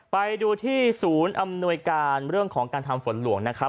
ไปดูที่ศูนย์อำนวยการเรื่องของการทำฝนหลวงนะครับ